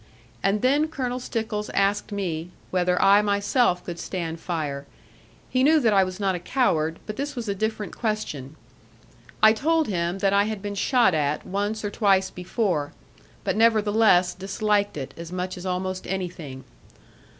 And then Colonel Stickles asked me, whether I myself could stand fire; he knew that I was not a coward, but this was a different question. I told him that I had been shot at, once or twice before; but nevertheless disliked it, as much as almost anything.